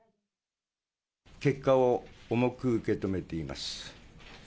結果を重く受け止めています。